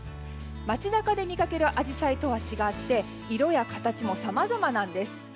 街中で見かけるアジサイとは違って色や形もさまざまなんです。